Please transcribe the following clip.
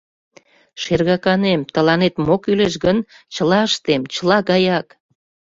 Шергаканем, тыланет мо кӱлеш гын, чыла ыштем... чыла гаяк.